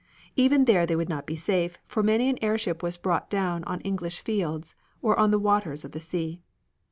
Even there they would not be safe, for many an airship was brought down on English fields, or on the waters of the sea.